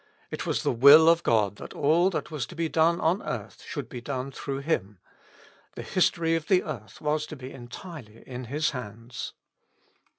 It was the will of God that all that was to be done on earth should be done through him : the history of the earth was to be entirely in his hands.